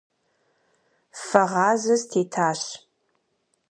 Фэгъазэ стетащ.